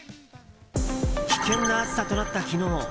危険な暑さとなった昨日。